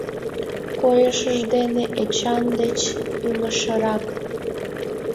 Койышыж дене Эчан деч ӱҥышырак.